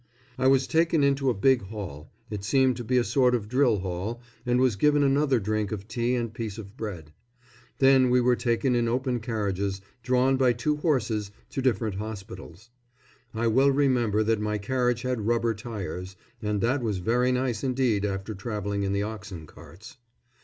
I was taken into a big hall it seemed to be a sort of drill hall and was given another drink of tea and piece of bread. Then we were taken in open carriages, drawn by two horses, to different hospitals. I well remember that my carriage had rubber tyres and that was very nice indeed after travelling in the oxen carts.